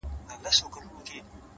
مثبت ذهن نوې دروازې ویني!.